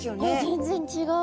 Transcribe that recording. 全然違う。